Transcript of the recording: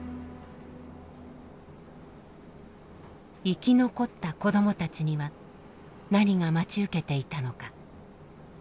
生き残った子どもたちには何が待ち受けていたのか。